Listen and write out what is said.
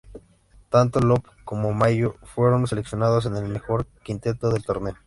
Tanto Love como Mayo fueron seleccionados en el mejor quinteto del torneo.